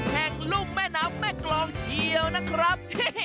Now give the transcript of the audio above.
แห่งรุ่มแม่น้ำแม่กรองเชียวนะครับ